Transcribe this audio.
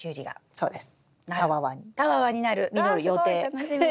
そうですね。